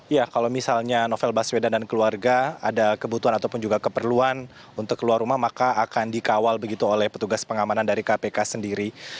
ya kalau misalnya novel baswedan dan keluarga ada kebutuhan ataupun juga keperluan untuk keluar rumah maka akan dikawal begitu oleh petugas pengamanan dari kpk sendiri